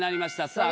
さあ